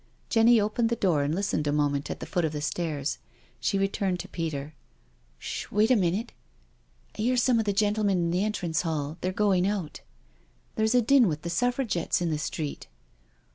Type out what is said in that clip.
Jenny opened the door and listened a moment at the foot of the stairs. She returned to Peter: " SchI Wait a minute— I hear some of the gentle men in the entrance hall — they're going out. There's a din with the Suffragettes in the street."